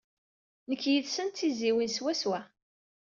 Nekk yid-sen d tizziwin swaswa.